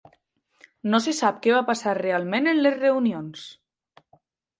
No se sap què va passar realment en les reunions.